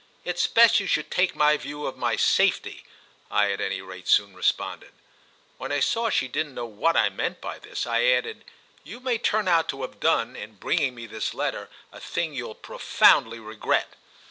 "It's best you should take my view of my safety," I at any rate soon responded. When I saw she didn't know what I meant by this I added: "You may turn out to have done, in bringing me this letter, a thing you'll profoundly regret."